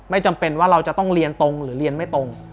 จำเป็นว่าเราจะต้องเรียนตรงหรือเรียนไม่ตรง